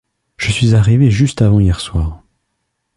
Je suis arrivé juste avant-hier soir.